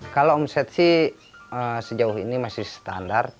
kalau omset sih sejauh ini masih standar